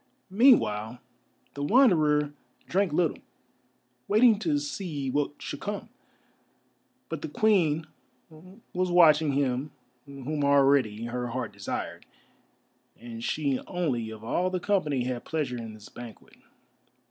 Meanwhile the Wanderer drank little, waiting to see what should come. But the Queen was watching him whom already her heart desired, and she only of all the company had pleasure in this banquet.